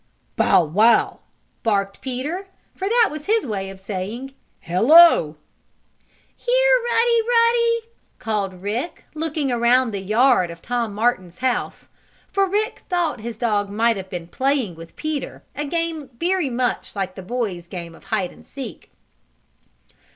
"Bow wow!" barked Peter, for that was his way of saying "Hello!" "Here, Ruddy! Ruddy!" called Rick, looking around the yard of Tom Martin's house, for Rick thought his dog might have been playing with Peter a game very much like the boys' game of hide and go seek.